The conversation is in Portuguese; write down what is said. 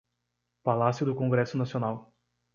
Palácio do Congresso Nacional